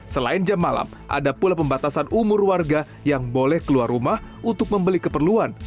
selain jam malam ada pula pembatasan umur warga yang boleh keluar rumah untuk membeli keperluan